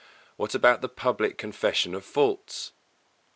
_What about the public confession of faults?